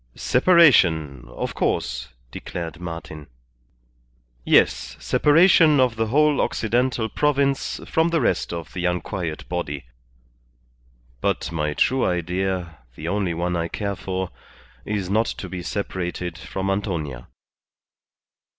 "Separation, of course," declared Martin. "Yes; separation of the whole Occidental Province from the rest of the unquiet body. But my true idea, the only one I care for, is not to be separated from Antonia."